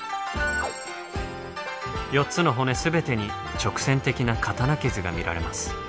４つの骨全てに直線的な刀傷が見られます。